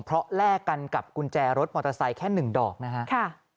เพราะแลกกันกับกุญแจรถมอเตอร์ไซค์แค่๑ดอกนะครับ